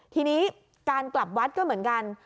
ทีนี้การกลับวัดก็เหมือนกัน